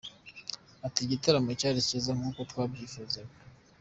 Ati: “igitaramo cyari kiza nk’uko twabyifuzaga.